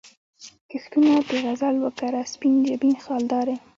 کښتونه د غزل وکره، سپین جبین خالدارې